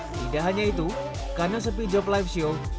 tidak hanya itu karena sepi job live show